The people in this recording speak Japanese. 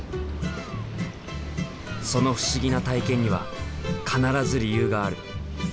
その不思議な体験には必ず理由がある。